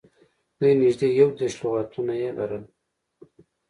دوی نږدې یو دېرش لغاتونه یې لرل